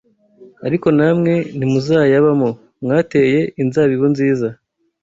ariko namwe ntimuzayabamo; mwateye inzabibu nziza